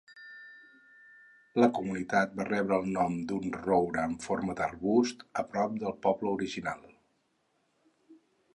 La comunitat va rebre el nom d'un roure amb forma d'arbust a prop del poble original.